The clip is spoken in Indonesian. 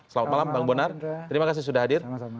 selamat malam bang bonar terima kasih sudah hadir